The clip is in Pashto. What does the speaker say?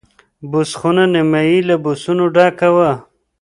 بوس خونه نیمایي له بوسو ډکه وه.